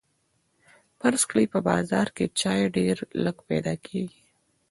فرض کړئ په بازار کې چای ډیر لږ پیدا کیږي.